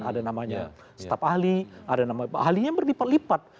ada namanya staff ahli ada namanya ahlinya berlipat lipat